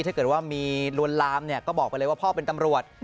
ถ้าเกิดว่ามีลวนลามเนี่ยก็บอกไปเลยว่าพ่อเป็นตำรวจ